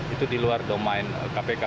itu di luar domain kpk